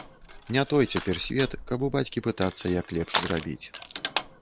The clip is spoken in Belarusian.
Не той цяпер свет, каб у бацькі пытацца, як лепш зрабіць.